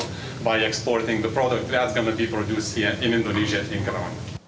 dengan mengekspor produk yang akan diproduksi di indonesia di karawang